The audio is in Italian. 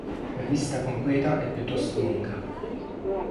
La lista completa è piuttosto lunga.